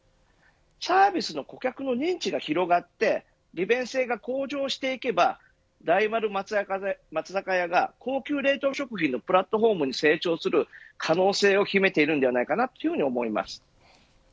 サービスの顧客の認知が広がって利便性が向上していけば大丸松坂屋が高級冷凍食品のプラットフォームに成長する可能性を秘めていると思います。